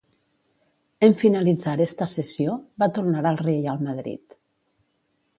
En finalitzar esta cessió, va tornar al Reial Madrid.